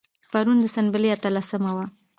پرون د سنبلې اتلسمه وه.